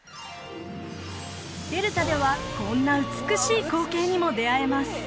デルタではこんな美しい光景にも出会えます